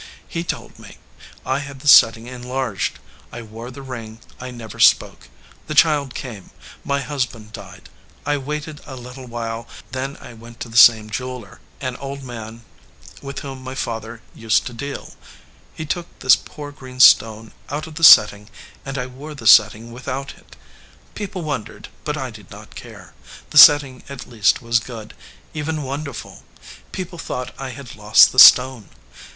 He told me. I had the setting enlarged. I wore the ring. I never spoke. The child came. My hus 282 RING WITH THE GREEN STONE band died. I waited a little while; then I went to the same jeweler, an old man with whom my own father used to deal. He took this poor green stone out of the setting, and I wore the setting without it. People wondered, but I did not care. The setting at least was good, even wonderful. People thought I had lost the stone.